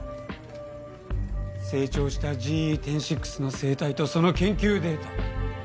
成長したＧＥ１０．６の生体とその研究データも。